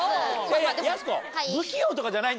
やす子。